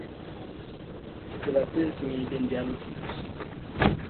Ditsela tse senyehileng di a lokiswa.